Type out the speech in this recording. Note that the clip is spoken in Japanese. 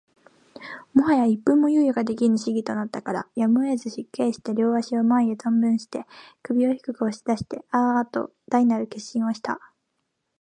最早一分も猶予が出来ぬ仕儀となったから、やむをえず失敬して両足を前へ存分のして、首を低く押し出してあーあと大なる欠伸をした